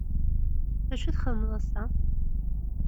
D acu i txedmeḍ ass-a?